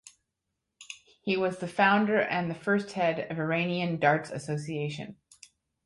He was the founder and the first head of Iranian Darts Association.